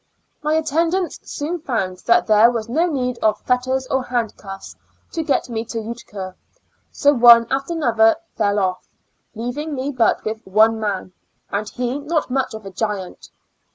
M.J attendants soon found that there was no need of fetters or handcuffs to get me to Utica; so one after another fell off, leaving me but with one man, and he not much of a o'iant.